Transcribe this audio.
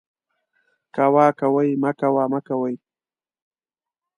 کوه ، کوئ ، مکوه ، مکوئ